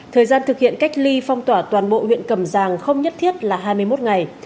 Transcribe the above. thời gian thực hiện cách ly phong tỏa toàn bộ huyện cầm giàng không nhất thiết là hai mươi một ngày